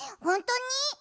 ほんとに？